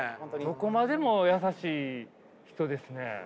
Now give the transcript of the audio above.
どこまでも優しい人ですね。